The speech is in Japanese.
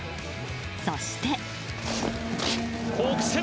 そして。